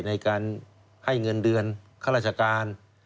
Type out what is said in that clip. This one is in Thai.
ในการให้เงินเดือนข้าราชการ